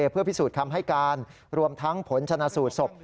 เพื่อพิสูจน์คำให้การรวมทั้งผลชนะสูตรศพ